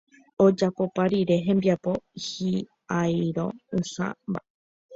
ojapopa rire hembiapo hy'airo'ysãmba